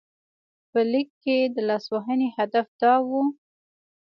په لیک کې د لاسوهنې هدف دا و.